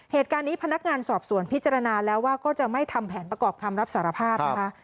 เหตุการณ์นี้พนักงานสอบสวนพิจารณาแล้วว่าก็จะไม่ทำแผนประกอบคำรับสารภาพนะคะ